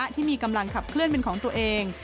ที่มีกำลังขับเคลื่อนเป็นของตัวเอง